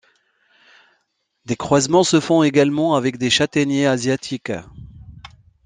Des croisements se font également avec des châtaigniers asiatiques.